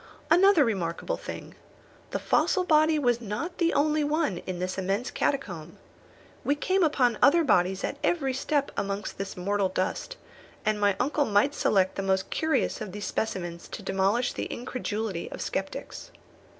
Another remarkable thing. This fossil body was not the only one in this immense catacomb. We came upon other bodies at every step amongst this mortal dust, and my uncle might select the most curious of these specimens to demolish the incredulity of sceptics.